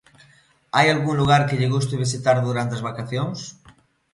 Hai algún lugar que lle guste visitar durante as vacacións?